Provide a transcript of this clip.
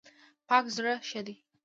پاک زړه ښه دی.